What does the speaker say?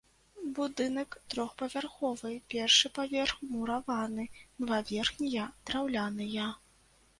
Будынак трохпавярховы, першы паверх мураваны, два верхнія драўляныя.